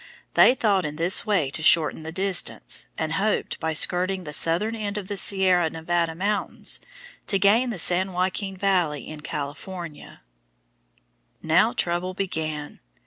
They thought in this way to shorten the distance, and hoped, by skirting the southern end of the Sierra Nevada mountains, to gain the San Joaquin Valley in California. Now trouble began.